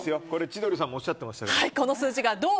千鳥さんもおっしゃってましたよ。